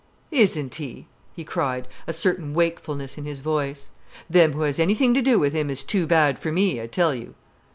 "Isn't he?" he cried, a certain wakefulness in his voice. "Them who has anything to do wi' him is too bad for me, I tell you."